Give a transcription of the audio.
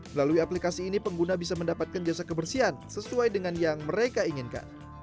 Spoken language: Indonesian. melalui aplikasi ini pengguna bisa mendapatkan jasa kebersihan sesuai dengan yang mereka inginkan